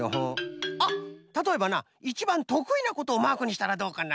あったとえばないちばんとくいなことをマークにしたらどうかな？